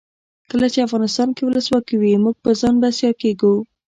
کله چې افغانستان کې ولسواکي وي موږ په ځان بسیا کیږو.